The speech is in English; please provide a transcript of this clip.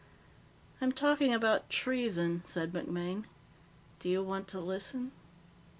"I'm talking about treason," said MacMaine. "Do you want to listen?"